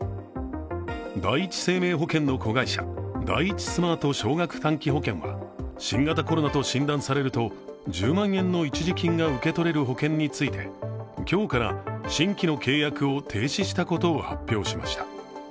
第一生命保険の子会社第一スマート少額短期保険は新型コロナと診断されると１０万円の一時金が受け取れる保険について今日から新規の契約を停止したことを発表しました。